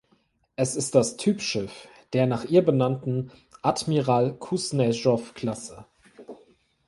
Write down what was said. Es ist das Typschiff der nach ihr benannten "Admiral-Kusnezow"-Klasse.